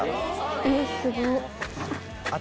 えすごっ。